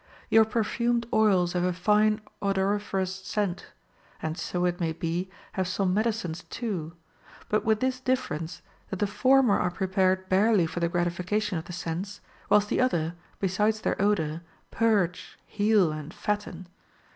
Your perfumed oils have a fine odoriferous scent, and so, it may be, have some medicines too ; but with this difference, that the former are prepared barely for the gratification of the sense, whilst the other, besides their odor, purge, heal, and fatten.